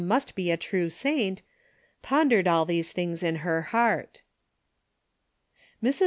must be a true saint, pondered all these things in her heart. Mrs.